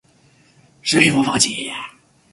视频播放器